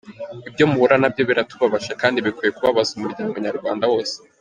Ibyo muhura na byo biratubabaje kandi bikwiye kubabaza Umuryango-Nyarwanda wose.